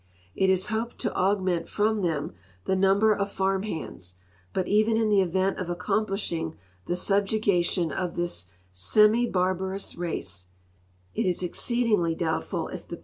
It is hoi>ed to augment from them the number of farm hands ; but even in the event of accomplishing the subjugation of this semibarbarous race, it is exceedingly doubtful if the ]we.